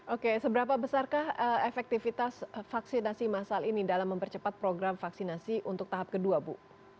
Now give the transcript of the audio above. oke seberapa besarkah efektivitas vaksinasi masal ini dalam mempercepat program vaksinasi untuk tahap kedua bu